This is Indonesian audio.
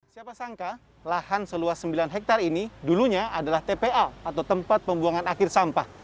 siapa sangka lahan seluas sembilan hektare ini dulunya adalah tpa atau tempat pembuangan akhir sampah